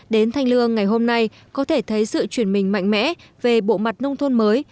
đến thanh lương ngày hôm nay có thể thấy sự chuyển mình mạnh mẽ về bộ mặt nông thôn mới